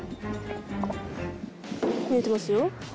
見えてますよ